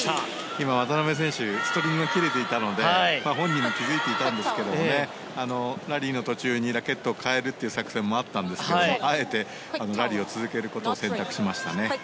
今、渡辺選手ストリングが切れていたので本人も気付いていたんですけどラリーの途中にラケットを替えるという作戦もあったんですがあえてラリーを続けることを選択しましたね。